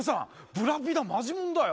ブラピだマジもんだよ。